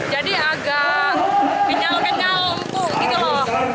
jadi agak minyak minyak empuk gitu loh